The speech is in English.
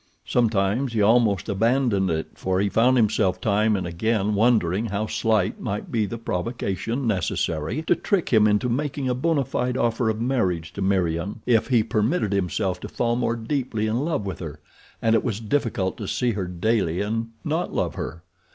Sometimes he almost abandoned it for he found himself time and again wondering how slight might be the provocation necessary to trick him into making a bona fide offer of marriage to Meriem if he permitted himself to fall more deeply in love with her, and it was difficult to see her daily and not love her.